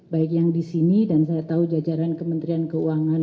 baik yang di sini dan saya tahu jajaran kementerian keuangan